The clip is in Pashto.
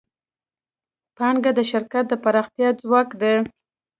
پانګه د شرکت د پراختیا ځواک دی.